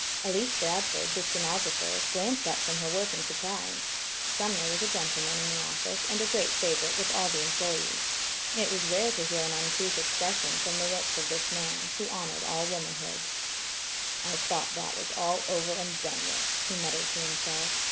Elise Bradford, the stenographer, glanced up from her work in surprise. Sumner was a gentleman in the office and a great favorite with all the employees; it was rare to hear an uncouth expression from the lips of this man, who honored all womanhood. "I thought that was all over and done with," he muttered to himself.